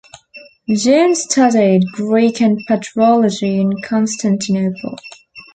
John studied Greek and patrology in Constantinople.